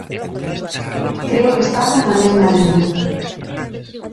Creo que estamos na mesma liña.